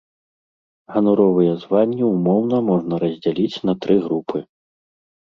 Ганаровыя званні ўмоўна можна раздзяліць на тры групы.